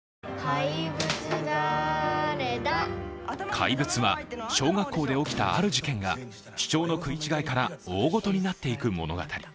「怪物」は小学校で起きたある事件が主張の食い違いから大ごとになっていく物語。